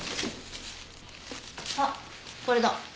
あっこれだ。